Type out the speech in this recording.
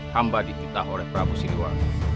hamba dikitah oleh prabu siliwan